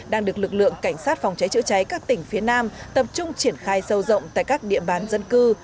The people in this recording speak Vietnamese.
đang được lực lượng cảnh sát phòng cháy chữa cháy các tỉnh phía nam tập trung triển khai sâu rộng tại các địa bàn dân cư